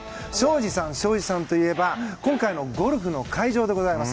東海林さんといえば今回のゴルフの会場です。